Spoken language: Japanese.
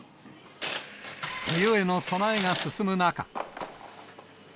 冬への備えが進む中。